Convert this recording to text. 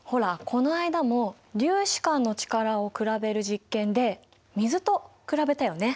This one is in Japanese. この間も粒子間の力を比べる実験で水と比べたよね。